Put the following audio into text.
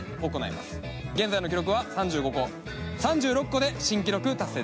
現在の記録は３５個３６個で新記録達成です。